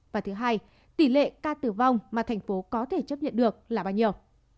và thứ hai tỷ lệ ca tử vong mà tp hcm có thể chấp nhận được là bao nhiêu